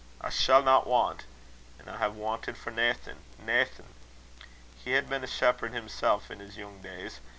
I shall not want. An' I hae wanted for naething, naething.' He had been a shepherd himsel' in's young days.